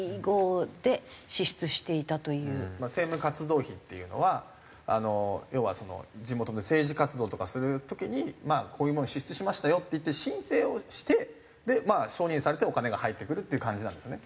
政務活動費っていうのは要は地元で政治活動とかをする時にこういうものを支出しましたよっていって申請をして承認されてお金が入ってくるっていう感じなんですね。